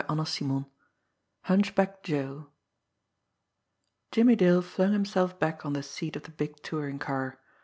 CHAPTER XXIII HUNCHBACK JOE Jimmy Dale flung himself back on the seat of the big touring car.